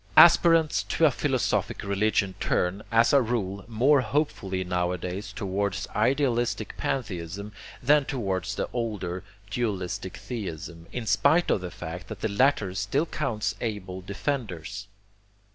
Aspirants to a philosophic religion turn, as a rule, more hopefully nowadays towards idealistic pantheism than towards the older dualistic theism, in spite of the fact that the latter still counts able defenders.